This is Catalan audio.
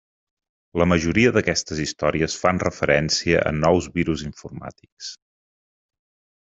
La majoria d'aquestes històries fan referència a nous virus informàtics.